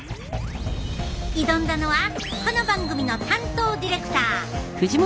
挑んだのはこの番組の担当ディレクター。